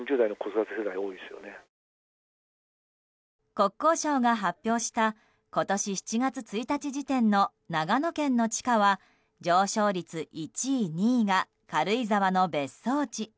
国交省が発表した今年７月１日時点の長野県の地価は上昇率１位、２位が軽井沢の別荘地。